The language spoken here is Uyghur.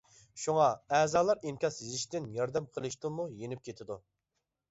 شۇڭا ئەزالار ئىنكاس يېزىشتىن، ياردەم قىلىشتىنمۇ يېنىپ كېتىدۇ.